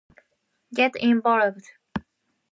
Get involved!